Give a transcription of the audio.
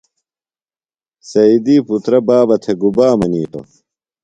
سیدی پُترہ بابہ تھےۡ گُبا منِیتوۡ؟